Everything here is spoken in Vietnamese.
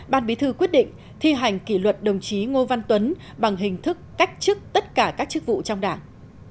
ban bí thư quyết định thi hành kỷ luật đồng chí ngô văn tuấn bằng hình thức cách chức tất cả các chức vụ trong đảng